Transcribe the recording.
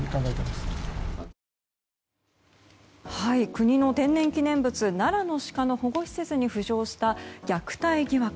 国の天然記念物奈良のシカの保護施設に浮上した虐待疑惑。